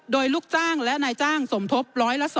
โดยลูกจ้างและนายจ้างสมทบ๑๐๒